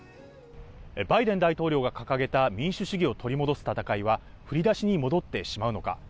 バイデン大統領が掲げた民主主義を取り戻す戦いは振り出しに戻ってしまうのか。